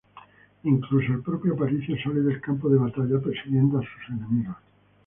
Incluso el propio Aparicio sale del campo de batalla persiguiendo a sus enemigos.